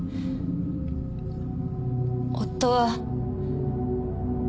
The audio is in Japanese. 夫は。